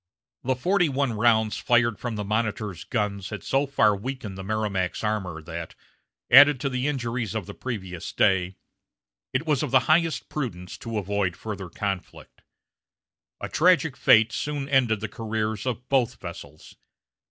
The forty one rounds fired from the Monitor's guns had so far weakened the Merrimac's armor that, added to the injuries of the previous day, it was of the highest prudence to avoid further conflict. A tragic fate soon ended the careers of both vessels.